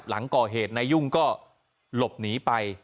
หลังก่อเหตุนายุ่งก็หลบหนีไป